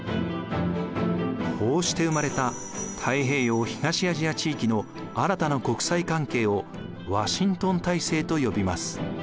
こうして生まれた太平洋・東アジア地域の新たな国際関係をワシントン体制と呼びます。